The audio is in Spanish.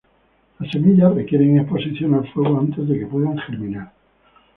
Las semillas requieren exposición al fuego antes de que puedan germinar.